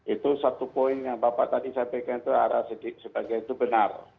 itu satu poin yang bapak tadi sampaikan itu arah sebagai itu benar